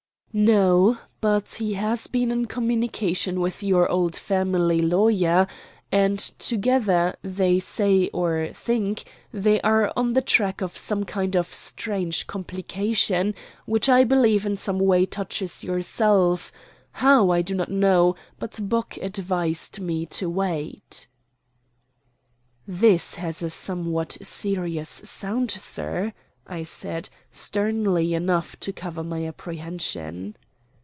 "No, but he has been in communication with your old family lawyer, and together they say or think they are on the track of some kind of strange complication which I believe in some way touches yourself; how I do not know, but Bock advised me to wait." "This has a somewhat serious sound, sir," I said, sternly enough to cover my apprehension.